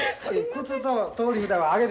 靴と通り札はあげて。